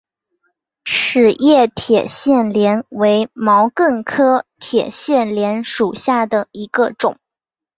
齿叶铁线莲为毛茛科铁线莲属下的一个种。